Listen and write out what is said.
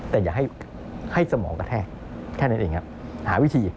แต่อย่าให้สมองกระแทกแค่นั้นเองครับหาวิธี